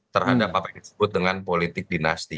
terhadap apa yang disebut dengan politik dinasti